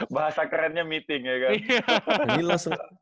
bahasa kerennya meeting ya